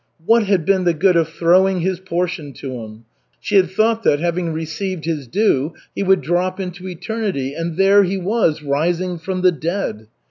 What had been the good of throwing his portion to him? She had thought that, having received "his due," he would drop into eternity. And there he was, rising from the dead.